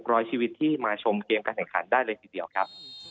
อีกกว่า๖๐๐ชีวิตที่มาชมเตรียมการสังคัญได้เลยทีเดียวครับ